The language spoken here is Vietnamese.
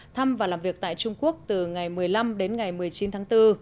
thăm và làm việc tại trung quốc từ ngày một mươi năm đến ngày một mươi chín tháng bốn